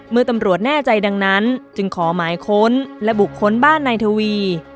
เมื่อตำรวจแน่ใจดังนั้นจึงขอหมายค้นและบุคคลบ้านนายทวี